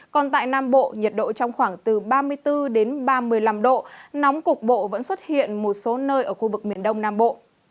còn tại nam bộ nhiệt độ trong khoảng từ ba mươi bốn đến ba mươi năm độ nóng cục bộ vẫn xuất hiện một số nơi ở khu vực miền đông nam bộ